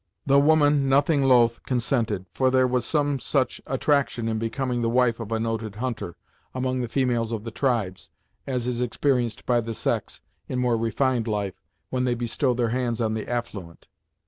The woman, nothing loth, consented, for there was some such attraction in becoming the wife of a noted hunter, among the females of the tribes, as is experienced by the sex, in more refined life, when they bestow their hands on the affluent.